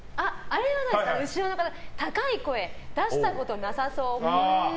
高い声出したことなさそうっぽい。